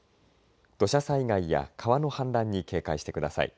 土砂災害や川の氾濫に警戒してください。